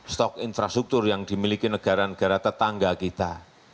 stok infrastruktur yang dimiliki negara negara tetangga kita